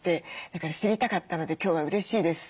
だから知りたかったので今日はうれしいです。